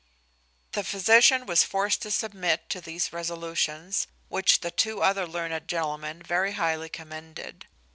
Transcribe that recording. The physician was forced to submit to these resolutions, which the two other learned gentlemen very highly commended.